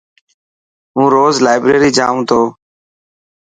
هون روز لائبريري جائون تو.